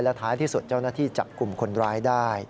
ท้ายที่สุดเจ้าหน้าที่จับกลุ่มคนร้ายได้